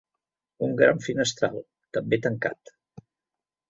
Un gran finestral, també tancat.